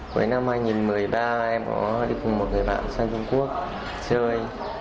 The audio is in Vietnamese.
cuối năm hai nghìn một mươi ba em có đi cùng một người bạn sang trung quốc chơi